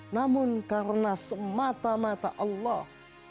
namun karena semata mata allah